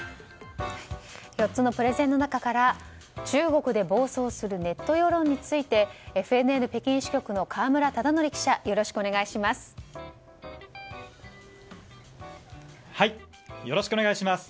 ４つのプレゼンの中から中国で暴走するネット世論についてＦＮＮ北京支局の河村忠徳記者よろしくお願いします。